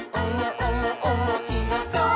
おもしろそう！」